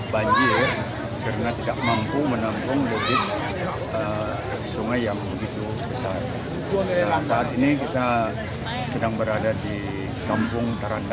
banjir setiap tahun sudah lima puluh tahun